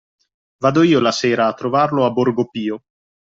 Vado io la sera a trovarlo a Borgo Pio